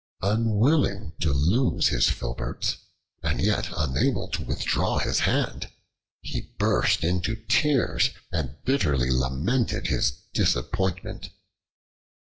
Unwilling to lose his filberts, and yet unable to withdraw his hand, he burst into tears and bitterly lamented his disappointment.